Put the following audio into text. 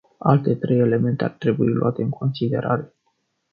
Alte trei elemente ar trebui luate în considerare.